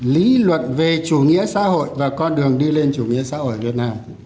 lý luận về chủ nghĩa xã hội và con đường đi lên chủ nghĩa xã hội việt nam